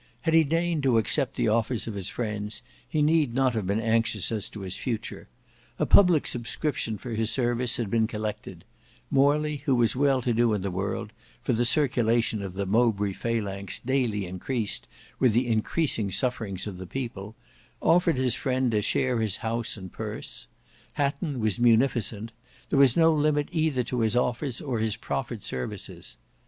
Had he deigned to accept the offers of his friends, he need not have been anxious as to his future. A public subscription for his service had been collected: Morley, who was well to do in the world, for the circulation of the Mowbray Phalanx daily increased with the increasing sufferings of the people, offered his friend to share his house and purse: Hatton was munificent; there was no limit either to his offers or his proffered services.